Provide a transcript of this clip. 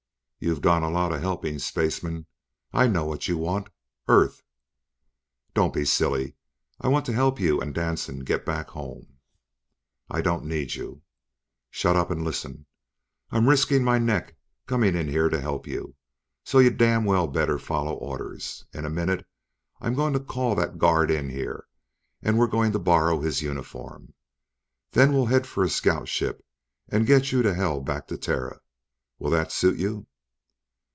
"You've done a lot of helping, spaceman. I know what you want. Earth." "Don't be silly. I want to help you and Danson to get back home..." "I don't need you!" "Shut up and listen. I'm risking my neck coming in here to help you, so you damned well better follow orders. In a minute I'm going to call that guard in here, and we're going to borrow his uniform. Then we'll head for a scout ship and get you to hell back to Terra. Will that suit you?"